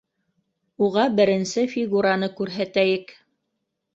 —Уға беренсе фигураны күрһәтәйек.